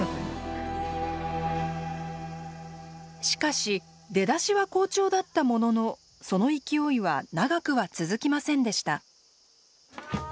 しかし出だしは好調だったもののその勢いは長くは続きませんでした。